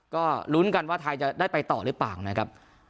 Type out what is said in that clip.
ก็ลุ้นกันว่าไทยจะได้ไปต่อหรือเปล่านะครับ